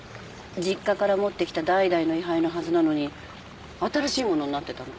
実家から持ってきた代々の位牌のはずなのに新しいものになってたの。